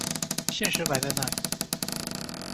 现实摆在哪里！